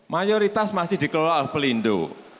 mayoritas masih dikelola oleh pelindung